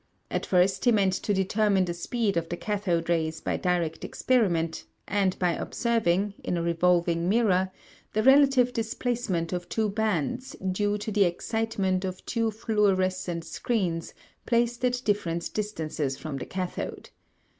At first he meant to determine the speed of the cathode rays by direct experiment, and by observing, in a revolving mirror, the relative displacement of two bands due to the excitement of two fluorescent screens placed at different distances from the cathode.